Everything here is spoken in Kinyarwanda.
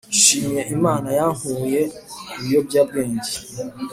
Nshimiye imana yankuye kubiyobya bwenge